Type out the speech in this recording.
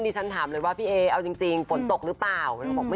แล้วฉันถามเลยว่าพี่เอพระศิลป์เอาจริงฝนตกหรือเปล่า